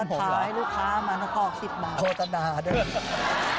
เมื่อท้ายลูกค้ามาพ่อคิดมาโทษจะด่าด้วย